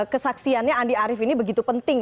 kesaksiannya andi arief ini begitu penting